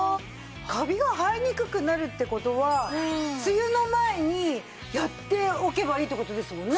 カビが生えにくくなるって事は梅雨の前にやっておけばいいって事ですもんね。